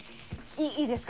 いいですか？